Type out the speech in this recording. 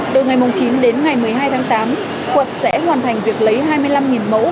từ ngày chín đến ngày một mươi hai tháng tám quận sẽ hoàn thành việc lấy hai mươi năm mẫu